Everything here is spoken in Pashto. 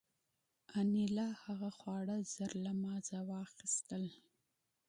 انیلا هغه خواړه ژر له ما څخه واخیستل